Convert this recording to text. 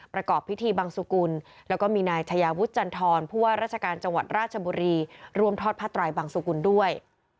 ประกอบพิธีบังสุกุลแล้วก็มีนายชายาวุฒิจันทรผู้ว่าราชการจังหวัดราชบุรีร่วมทอดผ้าไตรบังสุกุลด้วย